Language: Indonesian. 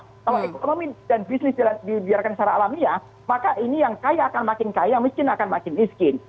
kalau ekonomi dan bisnis dibiarkan secara alamiah maka ini yang kaya akan makin kaya miskin akan makin miskin